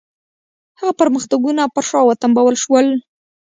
هغه پرمختګونه پر شا وتمبول شول.